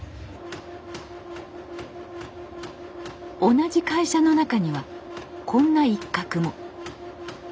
同じ会社の中にはこんな一角も。